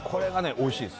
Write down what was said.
おいしいです